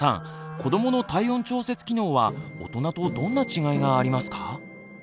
子どもの体温調節機能は大人とどんな違いがありますか？